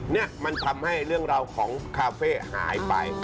นี่มันทำให้เรื่องราวของคาเฟ่หายไป